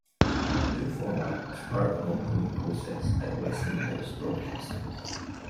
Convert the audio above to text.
The new format was part of an ongoing process at Westinghouse Broadcasting.